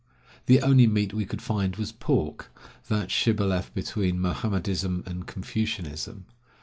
The only meat we could find was pork, that shibboleth between Mohammedanism and Confucianism.